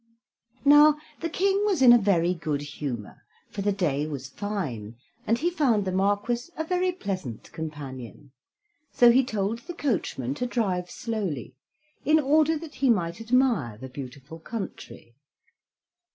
Now, the King was in a very good humor, for the day was fine, and he found the Marquis a very pleasant companion, so he told the coachman to drive slowly, in order that he might admire the beautiful country.